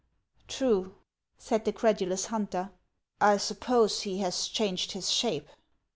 True," said the credulous hunter ;" I suppose he has changed his shape."